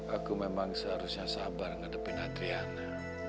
aku memang seharusnya sabar ngadepin adriana